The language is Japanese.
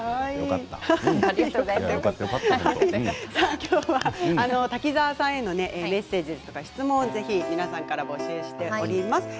きょうは滝沢さんへのメッセージや質問をぜひ皆さんから募集しております。